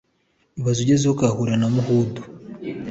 Ibaze ugezeyo ukahahurira na Mahundo